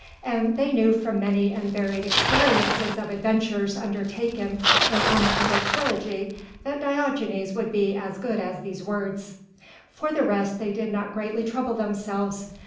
And they knew from many and varied experiences of adventures undertaken in amicable trilogy that Diogenes would be as good as these words. For the rest they did not greatly trouble themselves.